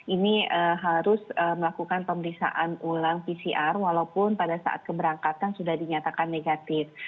ini harus melakukan pemeriksaan ulang pcr walaupun pada saat keberangkatan sudah dinyatakan negatif